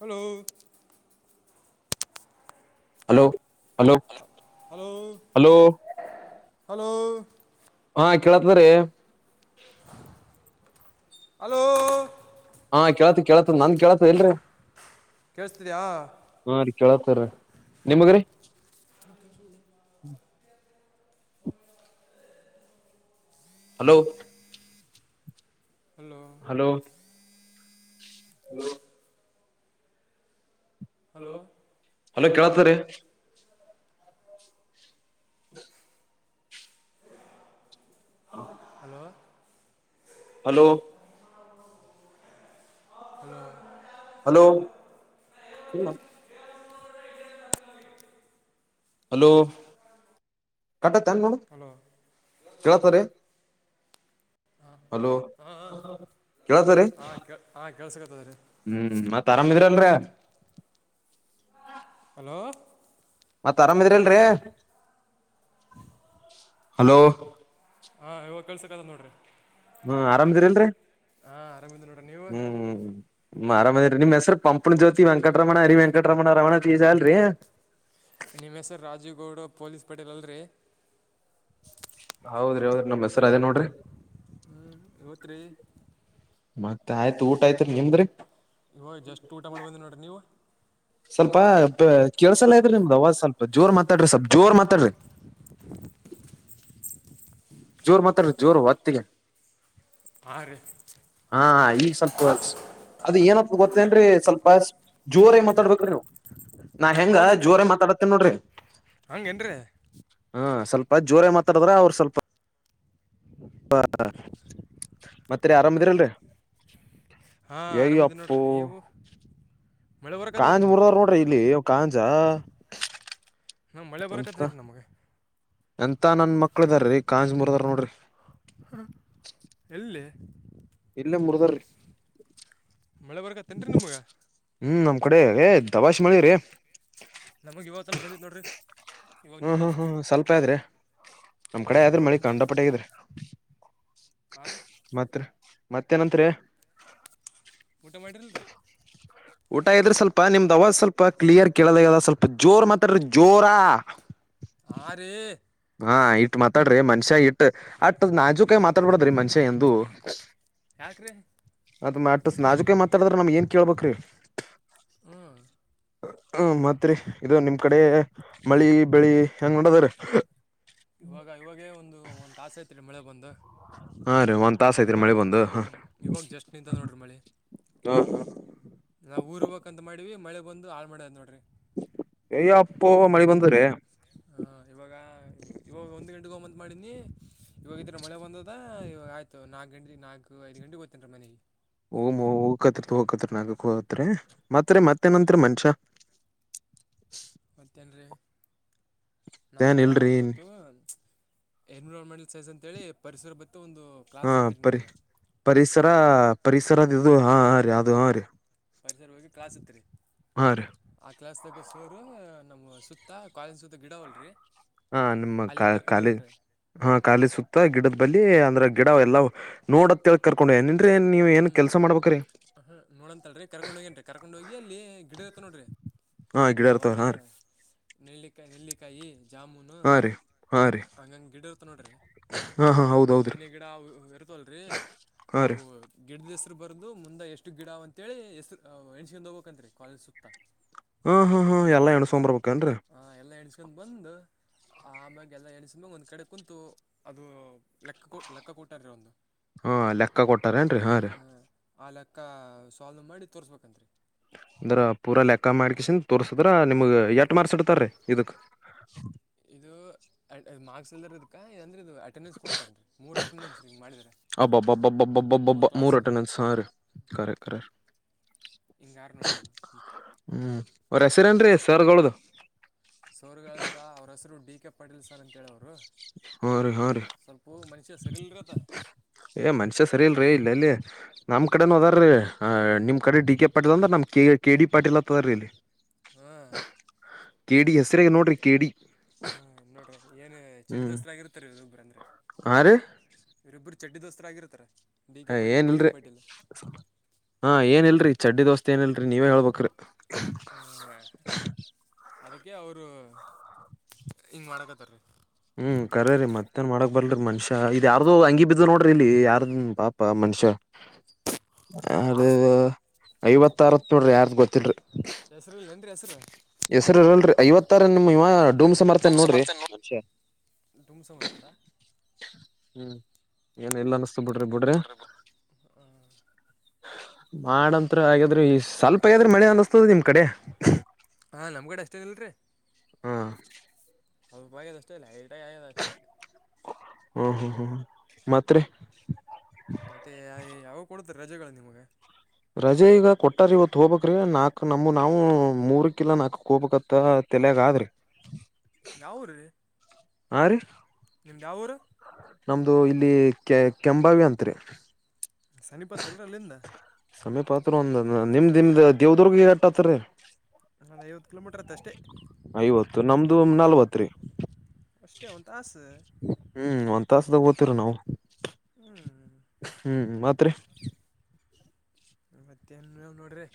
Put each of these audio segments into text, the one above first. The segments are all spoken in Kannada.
Hello hello hello hello hello hello ಹಾ ಕೇಳತದ್ರೀ ಹಲೋ ಹಾ ಕೇಳ್ತ್ ಕೇಳತತ್ ನನ್ ಕೇಳ್ತ ಇಲ್ರರಿ ಕೇೇಳಿಸ್ತಿದಯಾ ಹಾ ರೀ ಕೇಳತ್ತಾರಿ ನಿಮಗರಿೀ hello hello hello hello hello ಕೇಳತಾರೆ ಹ ಹೌ hello hello hello hello hello ಕಟತ್ ಏನು ನೋಡು ಹಲೋ ಕೇಳತ ರೀ ಹಲೋ ಹ ಹ ಕೆಲ್ಸಗತದ ರೀ ಹೂ ಮತ್ ಆರಾಮ್ ಇದಿದ್ರಲ್ರ ಹಲೋ ಮತ್ ಆರಾಮಿದ್ರ ಅಲ್ರಿ ಹಲೋ ಹಾ ಇವಾಗ ಕೆಲ್ಸಕ್ದ ನೋಡ್ರಿ ಹ್ಹೂ ಆರಾಮ್ದಿರಿಲ್ರಿ ಹಾಂ ಆರಾಮಿದ್ದೀನಿ ನೋಡ್ರಿ ನೀವು ಹೂ ಆರಾಮ್ ಅದಿನ್ರಿ ನಿಮ್ ಹೆಸ್ರರು ಪಂಪ್ನ ಜ್ಯೋತಿ ವೆಂಟರಮಣ ಅರಿ ವೆಂಕಟರಮಣ ರಮಣ ತೀಜ ಅಲ್ರರಿ ನಿಮ್ಮ ಹೆಸರು ರಾಜೀವ್ ಗೌಡ ಪೊಲೀಸ್ ಪಟೇಲಲ್ರರಿ ಹೌದ್ರಿ ಹೌದ್ರಿ ನಮ್ಮ ಹೆಸರ ಅದೇ ನೋಡ್ರಿ ಹೊತಿರಿ ಮತ್ತತ್ ಆಯ್ತ್ು ಊಟ ಆಯ್ತ್ರಿ ನಿಮ್ದ್ರಿ ಜಸ್ಟ್ ಊಟ ಮಾಡ್ಬಂದಿ ನೋಡ್ರಿ ನೀವು ಸ್ವಲ್ಪ ಕೆಲ್ಸಲ್ಲ ಇದ್ರಿ ನಿಮ್ದ ಅವಾಜ್ ಸ್ವಲ್ಪ ಜೋರ್ ಮಾತಾಡ್ರಿ ಸ್ವಲ್ ಜೋರ್ ಮಾತಾಡ್ರಿ ಜೋರ್ ಮಾತಾಡ್ರಿ ಜೋರ್ ಹೊತ್ತಿ ಹಾ ರಿ ಹಾ ಈಗ ಸ್ವಲ್ಪ ಅದ ಏನಪ್ಪ ಗೊತ್ತೇನ್ರಿ ಸ್ವಲ್ಪ ಜೋರ ಆಗಿ ಮಾತಾಡ್ಬೇಕು್ರ ನೀವು ನಾ ಹೆಂಗ ಹೌದೇನ್ರಿ ಜೋರ ಮಾತಾಡತೇನ ನೋಡ್ರಿ ಹಂಗೇನ್ರಿ ಹಾ ಸ್ವಲ್ಪ ಜೋರಾಗಿ ಮಾತಾಡ್ರ ಅವರು ಸ್ವಲ್ಪ ಹ ಮತ್ತರಿ ಆರಾಮ ಇದಿರಲ್ರಿ ಹಾ ಆರಾಮಿದ್ದ ನೋಡ್ರಿ ನೀವು ಮಳೆ ಬರಕತ್ತದ್ರಿ ಕಾಂಜ್ ನಮಗೆ ಮುರದವರು ಇವಾಗ ನೋಡ್ರಿ ಇಲ್ಲಿ ಕಾಂಜಾ ನಾವು ಮಳೆ ಬರೋಕತ್ತ ರೀ ನಮಗೆ ಎಂತ ನನ್ ಮಕ್ಳ ಇದ್ದಾರ ರೀ ಕಾಂಜಿುರ್ದರು ನೋಡ್ರಿ ಹ ಎಲ್ಲಿ ಇಲ್ಲ ಮೃಧರ್ೀ ಮಳೆ ಬರ್ಗತ್ತೇನ್ ರೀ ನಿಮ್ಗ ಹ್ಮ್ ನಮ್ಮ್ ಕಡೆ ಏ ದವಾಾಷ್ ಮಾಡಿ ರೀ ನಮಗೆ ಇವತ್ತನೂ ಬಂದಿತ್ತು ನೋಡಿ್ರರಿ ಹ್ಮ್ ಹ್ಮ್ ಹ್ಮ್್ಮ ಸ್ವಲ್ಪ ಆದ್ರೆ ನಮ್ ಕಡೆ ಇವ್- ಆದ್ರೆ ಇವಾಗ ಮಳಿ ನಿಂತದ ರೀ ಕಂಡಪಟ್ಟಗಿದ್ರ ಹಾಂ ರೀ ಮತ್ರ ಮತ್ತೇನತ್ರಿ ಊಟ ಮಾಡಿರಲ್ಲ ರರಿ ಊಟ ಇದ್ರೆ ಸ್ವಲ್ಪ ನಿಮ್ದ್ ಅವಾಜ್ ಸ್ವಲ್ಪ ಕ್ಲಿಯರ್ ಕೇಳದಾಗದ ಸ್ವಲ್ಪ ಜೋರ್ ಮಾತಾಡ್ರೆ ಜೋರಾ ಹಾ ರಿ ಹಾ ಇಟ್ ಮಾತಾಡ್ರಿ ಮನ್ಷ್ಯ ಇಟ್ಟ ಅಟ್ಟ ನಾಜುಕಾಯ ಮಾತಾಡ್ಬಡದ್ರಿ ಮನ್ಷ್ಯ ಎಂದು ಯಾಕ್ರೀ ಅದ್ ಮ ನಾಜುಕ ಮಾತಾಡ್ರ ನಮ್ಗ್ ಏನ್ ಕೇಳ್ಬೇಕಕ್್ರೀ ಹ್ಮ್ ಹ್ಮ ಮತ್ರಿ ಇದು ನಿಮ್ ಕಡೆ ಮಳಿ ಬೆಳಿ ಹೆಂಗ ನೋಡದ್ರ ಇವಾಗ ಇವಾಗೇ ಒಂದು ಒಂದ್ ಆಸೆ ಐತ್ರಿೀ ಮಳೆ ಬಂದು ಹಾ ರೀ ಒಂದ್ ತಾಸ ಐತ್ರಿ ಮಳಿ ಇವಾಗ ಬಂದು ಹ್ಞೂ ಹಾ ಇವಾಗ ಜಸ್ಟ್ ನಿಂತದ ನೋಡ್ರಿ ಮಳೆ ಹಾ ಹಾ ನಾವು ಊರ್ ಹೋಗಕ್ ಅಂತ ಮಾಡೀವಿ ಮಳೆ ಬಂದು ಹಾಳ ಮಾಡದ್ ನೋಡ್ರಿ ಎಯ್ಯ ಅಪ್ಪು ಮಳೆ ಬಂದ್ರೆ ಹಾ ಇವಾಗ ಇವಾಗ ಒಂದ್ ಗಂಟೆಗೆ ಹೋಗಮ್ಮತ್ ಮಾಡಿನಿ ಇವಾಗ ಇದಿದ್ರ ಮಳೆ ಬಂದದಯ್ತ ನಾಕಕ್ ಗಂಟೆಗೆ ನಾಲ್ಕು ಐದು ಗಂಟೆಗೆ ಗೋತ್ತೇನಿೀ ಮನೆಗೆ ಓ ಹಕ ಹೋಗಕತ್ ನಾಗಕ್ ಹತ್ ಮತ್ತ ಹಾಂ ಮತ್ತೆನಂತರ ಮನ್ಷ್ಯ ಮತ್ತೇನ್ೀ ನಮ್ಗ ಏನ್ ಇಲ್ರಿ ಇವತ್ತು ಎನ್ವಿರಾನ್ಮೆಂಟಲ್ ಸೇಸ್ ಅಂತೇಳಿ ಪರಿಸರ ಬತ್ತ ಒಂದು ಕ್ಲಾಸ್ ಹಾ ಇತ್ತು ರೀ ಪರಿ ನಮ್ಗೆ ಪರಿಸರ ಹ್ಞೂ ಪರಿಸರದ ಇದು ಹಾ ರೀ ಅದು ಹಾ ರೀ ಪರಿಸರ ಹೋಗಿ ಕಾಸತ್ರಿ ಆ ಆ ಕ್ಲಾಸ್ ದಾಗ ಸೋರ್ ನಮ್ ಸುತ್ತ ಕಾಲೇಜ್ ಸುತ್ತ ಗಿಡವಲ್ರರಿ ಹಾ ನಿಮ್ಮ ಕ ಕಾಲ ಹಾ ಖಾಲಿ ಸುತ್ತ ಗಿಡದ ಬಳಿ ಅಂದ್ರೆ ಗಿಡ ಎಲ್ಲ ನೋಡತ್ ತಿಳ್ ಕರ್ಕೊಂಡ್ ಏನನ್್ರೀ ನೀವ ಏನ್ ಹ್ಮ್ ಕೆಲಸ ಮಾಡ್ಬೇಕ್ರಿ ಹ ನೋಡ ಅಂತ ಅಲ್ರಿ ಕರ್ೊಂಡ್ ಹೋಗಿೇನ್ರಿ ಕರ್ಕೊಂಡ್ ಹೋಗಿ ಅಲ್ಲಿ ಗಿಡ ನೋಡ್ರಿ ಹಾ ಗಿಡ ಇರ್ತವ ಯಾವಂದ್ರೆ ಹಾ ರೀ ನೆಲ್ಲಿಕಾಯಿ ನೆಲ್ಲಿಕಾಯಿ ಜಾಮುನು ಹಾ ರೀ ಹಾ ರೀ ಹಂಗಂಗ್ ಗಿಡರ್ ತ ನೋಡ್ರ ಹಾ ಹಾ ಹೌದ್ ಹೌದ್ರಿ ಬೇನಿ ಗಿಡ ಇರ್ತವಲ್ರಿ ಹಾ ರೀ ಅವು ಗಿಡದ ಹೆಸ್ರು ಬರದು ಮುಂದೆ ಎಷ್ಟು ಗಿಡ ಅಂತೇಳಿ ಹೆಸ್ರು ಎಣ್ಸ್ಕೊಂಡ್ ಹೋಗ್ಬೇಕಂತತ್ರಿ ಕಾಲೇಜ್ ಸುತ್ತ ಹ್ಮ್ ಹ್ಮ್ ಹ್ಮ್ ಎಲ್ಲ ಹಾ ಎನುಷ್ಕೊಂದು ಬರಬೇಕು ಏನ್ರೀ ಹಾ ಎಲ್ಲ ಎಣಸ್ಕೊಂಡ್ ಬಂದು ಆಮ್ಯಾಗ ಎಲ್ಲ ಎಣಸ್ಮ್ಯಾಗ ಒಂದು ಕಡೆ ಕುೂಂತು ಅದು ಲೆಕ್ಕ ಕೊ ಲೆಕ್ಕ ಕೊಟ್ಟಾರೀ ಒಂದು ಹಾ ಲೆಕ್ಕ ಕೊಟ್ಟಾರ ಏನ್ರಿ ಹಾ ರೀ ಆ ಲೆಕ್ಕ ಸಾಲ್ವ್ ಮಾಡಿ ತೋರ್ರಿಸ್ಬೇಕಂತ ಅಂದ್ರ ಪೂರಾ ಲೆಕ್ಕ ಮಾಡ್ಕಸನ್ ತೋರ್ಸಿದ್ರ ನಿಮಗ ಎಟ್ ಮಾರ್ಸಿಡ್ತಾರೀ ಇದಕ್ ಇದು ಆಡ್ ಮಾರ್ಕ್ಸ್ ಇಲ್ದ ಇದಕಾ ಎದ್ರ ಇದು ಅಟೆಂಡನ್ಸ್ ಕೊಡ್ತಾನ ರೀ ಮೂರು ಅಟೆಂಡೆನ್ಸ್ ಹಿಂಗ ಮಾಡಿದರೆ ಮೂರು ಕ್ಲಾಸ್ ಕರೆಕ್ ಕರೆ ಹಿಂಗ ಯಾರು ನೋಡ್ರ ಹ್ಞೂ ಹ್ಮ್ ಅವ್ರ ಹೆಸರೇನ್ರೀ ಸರ್ಗಳದ ಸರ್ ಗಳ ಹೆಸರ್ ಅವ್ರ ಹೆಸರು ಡಿ ಕೆ ಪಟೀಲ್ ಸರ್ ಅಂತ ಹೇಳವ್ರು ಹರಿ ಹರೀ ಸ್ವಲ್ಪ ಮನುಷ್ಯ ಸರಿಲ್ರತ ಏ ಮನುಷ್ಯ ಸರಿ ಇಲ್ರಿ ಇಲ್ಲ ಎಲ್ಲಿ ನಮ್ ಕಡೆನು ಅದರಿ ಹ ನಿಮ್ ಕಡೆ ಡಿ ಕೆ ಪಾಟೀಲ್ ಅಂದ್ರ ನಮ್ ಕೆ ಕೆ ಡಿ ಪಾಟೀಲ್ ಅಂತ ಅದರಿ ಇಲ್ಲಿ ಹಾಂ ಕೇಡಿ ಹೆಸರೇ ನೋಡ್ರಿ ಕೇಡಿ ಹಾ ನೋಡ್ರಿ ಏನ್ ಚಡ್ಡಿ ದೋಸ್ತ ಆಗಿರ್ತಾರ ಇ ಒಬ್ಬ್ರ ಅಂದ್ರೆ ಹಾ ರೀ ಇವರಿಬ್ಬರು ಚಡ್ಡಿ ದೋಸ್ತರ ಆಗಿರತ್ತಾರ ಡಿ ಕೆ ಪಾಟೀಲ್ ಏನ್ ಕೆ ಡಿ ಇಲ್ರಿ ಪಾಟೀಲ್ ಹಾ ಏನ್ ಇಲ್ರರಿ ಚಡ್ಡಿ ದೋಸ್ತಿ ಏನಿಲ್ರರಿ ನೀವೇ ಹೇಳ್ಬೇಕ್ರಿ ಹ ಅದಕ್ಕೆ ಅವರು ಹಿಂಗ ಮಾಡಕತ್ತಾರೀ. ಹ್ಮ್ ಕರ ರೀ ಮತ್ತೇನ್ ಮಾಡಕ್ ಬರ್ಲ್ರಿ ಮನುಷ್ಯ ಇದ ಯಾರ್ದು ಅಂಗಿ ಬಿದ್ದು ನೋಡ್ರಿ ಇಲ್ಲಿ ಯಾರ್ದನ್ ಪಾಪ ಮನುಷ್ಯ ಹ [unintelligible] ಅದ ಐವತ್ತ ಅರವತ್ ನೋಡ್ರಿ ಯಾರ್ದ ಗೊತ್ತಿಲ್ರಿ. ಹೆಸರಿಲ್ಲ ಏನ ರೀ ಹೆಸರ ಹೆಸರು ಇರಲ ರೀ ಐವತ್ತಾರ ನಿಮ್ ಇವ ಡೂಮ್ ಸಮರ್ಥನ ಧೂಮ್ ನೋಡ್ರಿ ಸಮರ್ಥನೆ ಮನುಷ್ಯ ನೋಡಿ ಡುಮ್ ಸಮರ್ಥ [unintelligible] ಹ್ಮ್ ಏನ್ ಇಲ್ಲ ಅನಸತ ಬಿಡ್ರಿ ಬಿಡ್ರಿ ಮಾಡಂತ್ರ ಅಗೆದ್ರಿ ಈ ಸ್ವಲ್ಪ ಆಗೇದ ಮಳೆ ಅನ್ನಸ್ತದ ನಿಮ್ ಕಡೆ ಹಾಂ ನಮ್ಮ ಕಡೆ ಅಷ್ಟೇ ಇಲ್ ರೀ ಹಾ ಸ್ವಲ್ಪ ಆಗ್ಯದ ಅಷ್ಟೇ ಲೈಟ್ ಆಗಿ ಆಗ್ಯದ ಅಷ್ಟೇ. ಹ್ಮ ಹ್ಮ್ ಹ್ಮ್ ಹ್ಮ ಮತ್ತ್ ರೀ ಮತ್ತೆ ಯಾವಾಗ ಕೊಡತರೀ ರಜೆಗಳು ನಿಮಗ ರಜೆ ಈಗ ಕೊಟ್ಟಾರ ಇವತ್ ಹೋಬಕ್ ರೀ ನಾಕ್ ನಮ ನಾವು ಮೂರಕ ಇಲ್ಲ ನಾಲ್ಕ್ ಹೋಗಬಕತ್ತ ತಲೆಯಾಗ ಆದ್ರರಿ ಯಾವ ಊರೀ ಹಾ ರೀ ನಿಮ್ದ ಯಾವ ಊರು ನಮ್ದು ಇಲ್ಲಿ ಕೆ ಕೆಂಬಾವಿ ಅಂತ. ಸನಿಪತ್ ಎಲ್ರ ಅಲ್ಲಿಂದ ಸಮೀಪಾತ್ರ ಒಂದು ನಿಮ್ದು ನಿಮ್ದು ದೇವದುರ್ಗ ಎಷ್ಟು ಆತ್ತ ರೀ ಒಂದ್ ಐವತ್ತು ಕಿಲೋಮೀಟರ್ ಆತ್ತೆ ಅಷ್ಟೇ. ಐವತ್ತು ನಮ್ದು ನಲ್ವತ್ ರಿ ಅಷ್ಟೇ ಒಂದು ತಾಸು ಹ್ಮ್ ಒಂದ್ ತಾಸ್ದಾಗ ಓದತೇವರಿ ನಾವು ಹ್ಮ್ ಮತ್ತ್ ರೀ ಮತ್ತೆ ನ್ವ ನೋಡ್ರಿ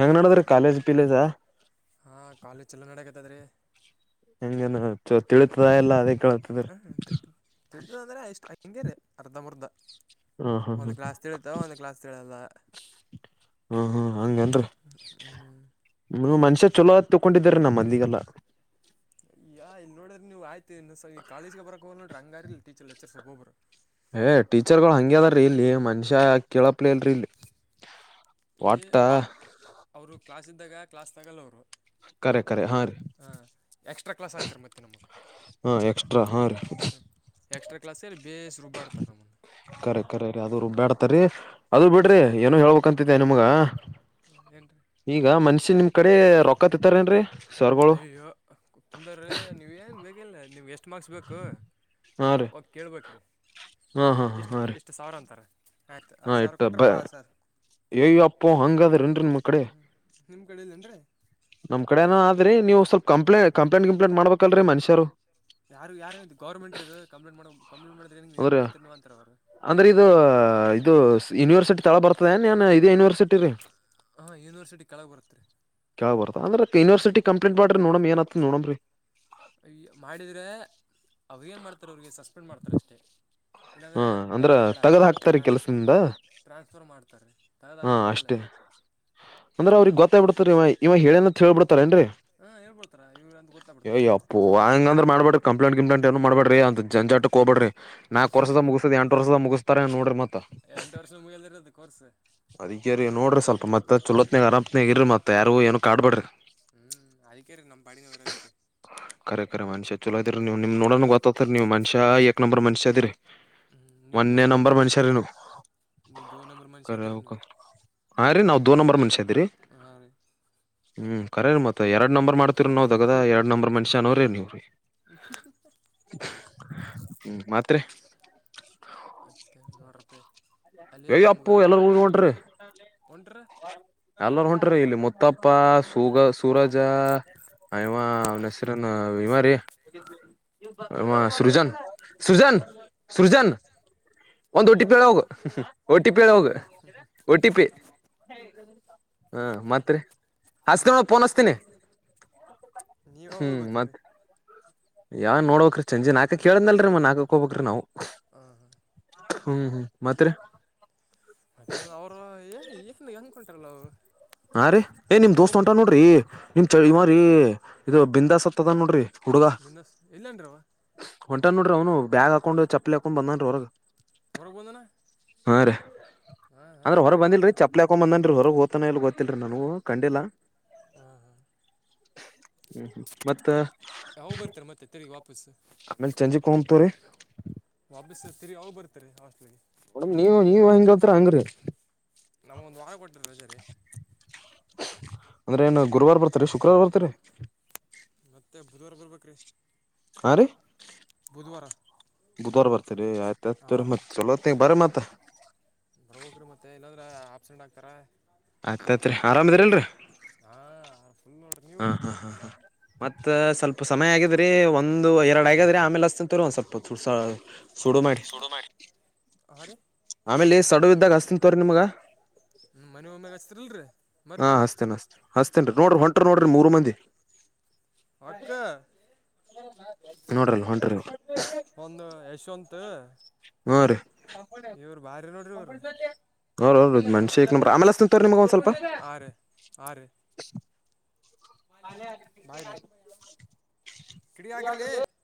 ಹೆಂಗ ನೋಡಿದ್ರೀ ಕಾಲೇಜ್ ಪೀಲೇಜಾ ಹಾಂ ಕಾಲೇಜ್ ಚಲೋ ನಡಗತ್ತದ ರೀ ಹೆಂಗೇನು ಚ ತಿಳಿತದಾ ಎಲ್ಲ ಅದೇ ಕೇಳ ಹಾಂ ತಿಳಿತದಂದ್ರೆ ಎಷ್ಟು ಹಿಂಗೆ ರೀ ಅರ್ಧ ಮುರ್ಧ ಹ್ಮ್ ಹ್ಮ್ ಒಂದ್ ಹ್ಮ್ ಕ್ಲಾಸ್ ತಿಳಿತ ಒಂದು ಕ್ಲಾಸ್ ತಿಳಲ್ಲ. ಹ್ಮ್ ಹ್ಮ್ ಹಂಗನರಿ ಹ್ಮ್ ್ಮ ಮನುಷ ಚಛಲೋ ತೊಕೊಂಡಿದಿದ್ದಾರೆ ನಮ್ಮ್ ಅಲ್ಲಿಗೆಲ್ಲ ಯ ಇಲ್ ನೋಡ್ರ ನೀವ್ಯ್ತ ಇ ಕಾಲೇಜ್ಗೆ ಬರಕ್ ಹೋಗ್ ನೋಡ್ರ ಹಂಗಾರಾರಿಿಲ್ಲ ಟೀಚರ್ ಲೆಕ್ರ್ ಒಬರು ಏ ಟೀಚರ್ ಗಳು ಹಂಗಗೆ ಅದಾರ್ರೀ ಇಲ್ಲಿ ಮನುಷ್ಯ ಕೇಳಪ್ಲಿ ಅಲ್ರರಿ ಇಲ್ಲಿ ಇಲ್ಲಿ ಒಟ್ಟ ಅವರು ಅವರು ಕ್ಲಾಸ್ ಇದ್ದಾಗ ಕ್ಲಾಸ್ ತಗಲ್ಲ ಅವರು ಕರೆಕ್ ಕರೆ ಹಾಂ ರೀ ಹಾಂ ಎಕ್ಸ್ಟ್ರಾ ಕ್ಲಾಸ್ ಹಾಕ್ತಾರೆ ಮತ್ತೆ ನಮಗೆ ಹಾಂ ಎಕ್ಸ್ಟ್ರಾ ಹಾಂ ರೀ ಎಕ್ಸ್ಟ್ರಾ ಕ್ಲಸ್ಲ್ಲಿ ಬೇಸ್ ರುಬ್ಬಾಡ್ತಾರೆ ನಮ್ಮನ್ನು ಕರರಿ ಅದು ರುಬ್ ಬ್ಯಾಡತರಿೀ ಅದ ಬಿಡ್ರಿ ಏನು ಹೇಳ್ಬಕ್ಂತಿದ್ದ ನಿಮ್ಗ ಏನು ರೀ ಈಗ ಮನ್ಷ್ಯ ನಿಮ್ ಕಡೆ ರೊಕ್ಕ ತಿಂತಾರೆ ಏನ್ರರಿ ಅಯ್ಯೋ ತಂದಾರೀ ನೀವು ಏನು ಬೇಕಿಲ್ಲ ನಿಮ್ಗೆ ಎಷ್ಟು ಮಾರ್ಕ್ಸ್ ಬೇಕು ಹಾ ರೀ ಕೇಳ್ಬೇಕ್ರೀ ಹಾ ಹಾ ಹಾ ಇಷ್ಟು ಹಾ ರೀ ಇಷ್ಟು ಸಾವಿರ ಅಂತಾರೆ ಆಯ್ತು ಆ ಹಾ ಸಾವಿರ ಕೊಟ್ರೆ ಇಟ್ಟುಬ್ಬ ಪಾಸ್ ಸರ್ ಅಯ್ಯ ಅಪ್ಪೋ ಹಂಗದ್ರ ಏನ್ರಿನ್ಮ್ಮ ಕಡೆ ನಿಮ್ ಕಡಲ್ಲೇನ್ರರಿ ನಮ್ ಕಡೆಏನ ಅ ಆದ್ರೀ ನೀವು ಸ್ವಲ್ ಕಂಪ್ಲೇಟ್ ಕಂಪ್ಲಂಟ್ ಕಂಪ್ಲೇಂಟ್ ಮಾಡಬೇಕಲ್ರೀ ಮನುಷ್ಯರು ಯಾರು ಯಾರ ಗೌರ್ಮಂಟ್ ಇ ಕಂಪ್ನಟ್ ಮಾಡ ಕಂಪ್ಲೇಟ್ ಮಾಡಿದಿ ಏನ್ ಅಂದ್ರೆ ಮಾಡತತಿರ್ ನೀ ಅಂತಾರ ಅವರು ಅಂದ್ರೆ ಇದು ಇದು ಯೂನಿವರ್ಸಿಟಿ ತಳ ಬರ್ತದೆ ನೀನ್ ಇದೇ ಯೂನಿವರ್ಸಿಟಿ ರೀ ಹಾಂ ಯುನಿಯುಸಿಟಿ ಕೆಳಗೆ ಬರುತ್ತೀ ಯಾವ ಬರ್ತ ಅಂದ್ರೆ ಯನಿವರ್ಸಟಿ ಕಪ್ಲೇಟ್ ಮಾಡ್ರಿ ನೋಡ ಏನತ ನೋಡಮ್ರೀ ಮಾಡಿದ್ರೆ ಅವಾಗ ಏನು ಮಾಡ್ತಾರೆ ಅವ್ರಿಗೆ ಸಸ್ಪೆಂಡ್ ಮಾಡ್ತಾರೆ ಅಷ್ಟೆ ಹಾ ಏನಂದರೆ ಅಂದ್ರ ಬ್ಯಾರಿ ಕಡೆ ತಗದ್ ಹಾಕ್ತಾರೆ ಹಾಕ್ತಾರೀ ಟ್ರಾನ್ಸ್ಫ ಕೆಲ್ಸದಿಂದ ಟ್ರಾನ್ಸ್ಫರ್ ಮಾಡ್ತಾರೆೀ ಹಾ ತರದಾಗಕ್ಕೆ ಬರಲ ಅಷ್ಟೇ ಅಂದ್ರ ಅವ್ರಿಗೆ ಗೊತ್ತಾಗ ಬಿಡ್ತಾರ ಇವ ಇವಾಗ ಹೇಳೇನ ಹೇಳ್ಬಿಡ್ತಾರ ಏನ್ರರಿ ಹಾಂ ಹೇಳ್ಬಿಡ್ತಾರೆ ಇವ್ರು ಅಂತ ಗೊತ್ತಾಗ್ಬಿಡ್ತು ರೀ ಅಯಯ್ಯಪ್ಪ ಪ ಹಂಗ್ರ ಮಾಡ್ಬಡ ಕಂಪ್ೇಂಟ್ ಕಂಪ್ೇಂ ಏನು ಮಾಡಬಡ್ರಿ ಅಂತ ಜಾಕ್ಕೆ ಹೋಗಬೇ್ರಿ ನಾಕಕ್ು ವರ್ದ ಮುಗಿಸತ ಎಂಟು ವರ್ಷದ ಮುಗಿಸ್ತಾರ ನೋಡ್ರಿ ಮತ್ತ ಮುದ ಇರೋದು ಕರ್ಸು ಅದಗ್ಯರಿ ನೋಡ್ರಿ ಸ್ವಲ್ ಮತ್ತತ್ ಚಲೋತ್ನಾಗ ಅರಾತ್ನಾಗಗ ಇರಿ ಮತ್ ಯಾರು ಏನಕ್ ಕಾಡ್ಬೇ್ರಿ ಹ್ಮ್ ಅದಕ್ಕೆೇ ರೀ ನಮ್ಮ್ ಪಾಿನ ಹೊರಗತೆ ಕರೆ ಖ ಮನುಷ್ಯ ಚಲ ಇದೀರಿ ನೀವು ನಿಮ್ ನೋಡಣ ನಿಮ್ಮ ಗೊತ್ತತರಿ ನೀವು ಮನುಷ್ಯಏಕ್ ನಂಬರ್ ಮನ್ಷ್ಯ ಅದಿರಿ ಹ್ಞೂ ನೀವು ದೋ ಮೊನ್ನೆ ನಂಬರ್ ಮನುಷ್ಯ ಇದ್ದೀರಿ ಮನುಷ್ಯರೇನು ನೀವು ನಂಬರ್ ಮನುಷ್ಯ ಇದ್ದೀರಿ ಕಕ ನೀವು ಹಾ ರೀ ನಾವವು ದೋರ್ ನಂಬರ್ ಮನ್ಷ್ಯ ಇದರಿ ಹಾಂ ರೀ ಹ್ಮ್ ರೇೀ ಮತ್ತೆ ಎರಡು ನಂಬರ್ ಮಾಡ್ತಿರಿ ನಾವು ದಗದ ಎರಡು ನಂಬರ್ ಮನ್ಷ್ಯ ಅನೋ್ರೀ ನೀವ್ರೀ ಹ್ಮ ಮಾತ್ರೆ ಮತ್ತೆ ನೋಡ್ರಪೀ ಅಲ್ಲ ಅಯ್ಯಪ್ಪೋ ನಮ್ಗೆ ಎಲ್ಲರೂ ಹೊಂಟ್ರ ಎಲ್ಲರು ಹೊಂಟ್ರ ಇಲ್ಲಿ ಮುತ್ತಪ್ಪ ಸೂಗ ಸೂರಜ ಆಯವಾ ಅವ ನ ಹೆಸರನ್ ವಿಮ ರೀ ಹ ಸೃಜನ್ ಸೃಜನ್ ಸೃಜನ್ ಒಂದ್ ಒಟ್ಟಿ ಪೇಳ ಹೋಗ ಓಟಿ ಪಿ ಅ ಹೋಗ ಓಟಿ ಪಿ ಹ್ಮ ಮತ್ರಿ ಹಸ್ಕ್ರಲ್ ಪೋನ್ಸ್ತೀನಿ ನೀವ್ ಯಾವಾಗ ಹ್ಮ್ ಗೊತ್ತೀರಿ ಮತ್ ಯಾವ್ ನೋಡೋಕ್ರೀ ಚಜಿ ನಾಕಕ್ ಕೇಳಂದ ಅಲ್ರೀ ಮನ್ ನಾಕಕ್ ಹೋಗಬಬೇಕ್ರಿ ನಾವು. ಹಾ ಹಾ ಹ್ಮ್ -ಮತ್ತೆ ಮತ್ತೆ ಅವ್ರು ಈಕಿಂದ ಹೆಂಗ್ಕಂಟಾರಲ್ಲ ಅವ್ರು ಹಾ- ರೀ- ಏ- ನಿಮ್ ದೋಸ್ತ್ ಉಂಟ ನೋಡ್ರಿ ನಿಮ್ ಚಳಿ ಯಾರು ಇವ್ರರಿ ಇದು ಬಿಂದಾಸ್ ನೋಡ್ರಿ ಬಿನಸ್ [unintelligible] ಇಲ್ಲೇನ್ರವ ಹೊಂಟಾ ನೋಡ್ರಿ ಅವನು ಬಾಗ್ಯಾ ಹಾಕೊಂಡ್ ಚಪ್ಪಲಿ ಹಾಕೊಂಡ್ ಬನ ಹೊರಗ್ ಹೊರಬಂದನಾ ಹಾ- ರೀ ಅಂದ್ರೆ ಹೊರಗ್ ಅವ್ನು ಬಂದಿಲ್ಲೀ ಹೊಂಟಾನ ಚಪ್ಪಲಿ ಹಾಕೊಂಡ್ ಬಂದನ್ರಿ ಹೊರಗ್ ಓತ್ತಾನ ಇಲ್ ಗೊತ್ತ [unintelligible] ನಾ ಕಂಡಿಲ್ಲಾ ಹಾ ಮತ್ತ -ಅ ಯಾವವು ಬರ್ತಾರೆ ಮತ್ತೆ ತಿರಿಗೆ ವಾಪಸ್ಸು. ಮೇ ಚಂಜಿ ಕಮ್ ತು ರರಿ [unintelligible] ವಾಪಸ್ಸ [unintelligible] ತಿರಿಯ ಅವಾಗ ಬರ್ತಾರೆ [unintelligible] ಹಾಸ್ಟ್ಲಿಗೆ ಮಡಮ್ [unintelligible] ನೀವ್ ನೀವ್ ಹಂಗ ಹತ್ರರಿ ಹಂಗ್ರೀ ನಮಗೊಂದು ವಾರ ಕೊಟ್ಟರ ರಜರಿ. ಅಂದ್ರೆ ಏನು ಗುರುವಾರ ಬರ್ತೀರಿ ಶುಕ್ರವಾರ ಬರ್ತೀರಿ ಮತ್ತೆ ಬುಧವರ್ ಬರ್ಬೇಕು -ರೀ ಹಾ -ರೀ- ಬುಧವಾರ ಬರ್ತೀರಿ ಆಯ್ತ ಆಯ್ತವರಿ ಹಾಂ ಮತ್ ಚಲೋತ್. [unintelligible] ಬರ ಮತಾ ಬ್ರಬಕರು ಮತ್ತೆ ಏನಂದ್ರೆ ಆಬ್ಸೆಂಟ್ ಆಗ್ತಾರೆ. ಆಯಗ್ತತ್ರಿ ಆರಾಮದ್ರಲ್ರಿ ಹಾಂ ಫುಲ್ ನೋಡ್ರಿ ನೀವು ಹಾ- ಹಾ -ಹಾ -ಹಾ ಮತ್ತ ಸ್ವಲ್ಪ ಸಮಯ ಆಗಿದ್ರಿ ಒಂದು ಎರಡು ಆಗಾದ್ರೆ ಆಮೇಲೆ ಹಸತ ತರುವ ಸ್ವಲ್ಪಸ. ಸೋ [unintelligible] ಮ ಹ ರ ಆಮೇಲೆ ಸಡಡು ಇದ್ದಾಗ ಅಸ್ತಿಂತವ ರರಿ ನಿಮ್ಗ. ಹ್ಮ್- ಮನೆ ಒಮ್ಮ್ಯಾಗ ಹಚ್ತರಿಲ್ರರಿ ಹಾ -ಹಸ್ತೇನ್ ಅಸ್ತೆ ಹಸ್ತೇನ್ರಿ ನೋಡ್ರಿ ಹೊಂಟರಿ ನೋಡ್ರಿ ಮೂರ್ ಮಂದಿ. ಅಕ್ಕ ನೋಡ್ರಲ್ ಹೊಂಟ್ರಿ. [unintelligible] ಒಂದು ಯಶವಂತ. ಹ್ಮ -ರೀ ಇವ್ರು ಭಾರಿ ನೋಡ್ರಿ ಹ ಇವ್ರು [unintelligible] ಮನುಷಿ ಕ್ ನಂಬರ್ ಆಮೇಲೆ ತಿಂತರಿ ನಿಮ್ಗ ಒಂದ್ ಸ್ವಲ್ಪ ಆರು [unintelligible] [inaudible] ಬ ಕಡ ಆಕ್ರಲಿ [unintelligible]